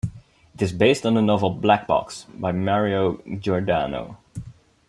It is based on the novel "Black Box" by Mario Giordano.